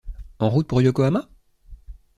En route pour Yokohama?